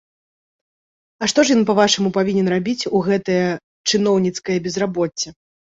А што ж ён, па-вашаму, павінен рабіць у гэтае чыноўніцкае безрабоцце?